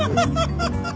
ハハハハ！